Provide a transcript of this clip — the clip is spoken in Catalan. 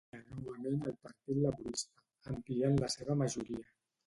Va guanyar novament el Partit Laborista, ampliant la seva majoria.